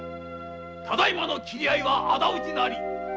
ただいまの斬り合いは仇討ちなり。